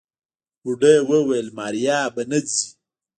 بوډۍ وويل ماريا به نه ځي.